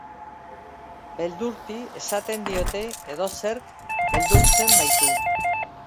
Beldurti esaten diote, edozerk beldurtzen baitu.